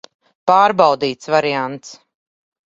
Pārbaudīts variants.